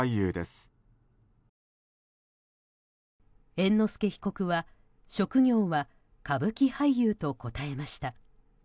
猿之助被告は職業は歌舞伎俳優と答えました。